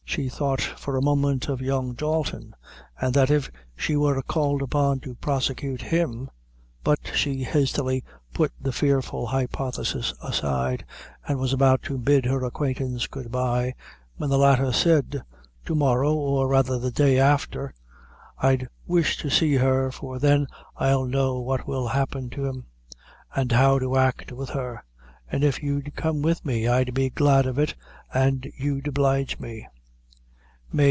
She thought for a moment of young Dalton, and that if she were called upon to prosecute him, but she hastily put the fearful hypothesis aside, and was about to bid her acquaintance good bye, when the latter said: "To morrow, or rather the day afther, I'd wish to see her for then I'll know what will happen to him, an' how to act with her; an' if you'd come with me, I'd be glad of it, an' you'd oblige me."